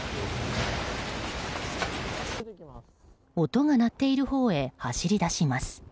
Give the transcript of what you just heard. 音が鳴っているほうへ走り出します。